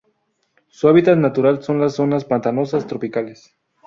Su hábitat natural son las zonas pantanosas tropicales.